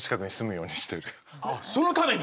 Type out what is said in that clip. そのために？